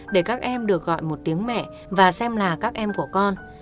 để các em được gọi một tiếng mẹ và xem là các em của con